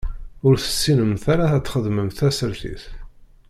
Ur tessinemt ara ad txedmemt tasertit.